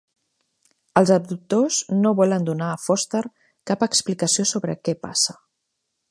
Els abductors no volen donar a Foster cap explicació sobre què passa.